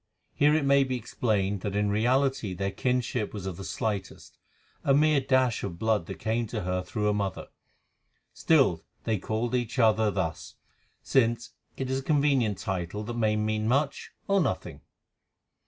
Here it may be explained that in reality their kinship was of the slightest, a mere dash of blood that came to her through her mother. Still they called each other thus, since it is a convenient title that may mean much or nothing.